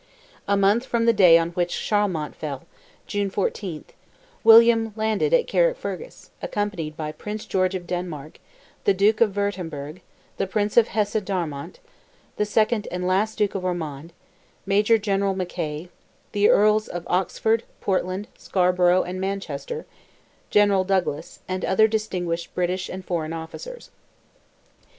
A month from the day on which Charlemont fell, (June 14th), William landed at Carrickfergus, accompanied by Prince George of Denmark, the Duke of Wurtemburg, the Prince of Hesse Darmstadt, the second and last Duke of Ormond, Major General Mackay, the Earls of Oxford, Portland, Scarborough, and Manchester, General Douglas, and other distinguished British and foreign officers.